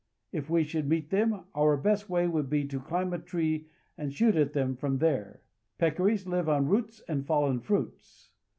If we should meet them, our best way would be to climb a tree and shoot at them from Tapir there. Peccaries live on roots and fallen fruits.